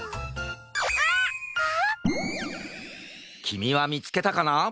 きみはみつけたかな！？